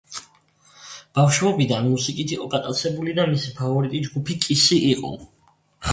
ბავშვობიდან მუსიკით იყო გატაცებული და მისი ფავორიტი ჯგუფი კისი იყო.